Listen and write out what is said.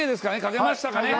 書けましたかね？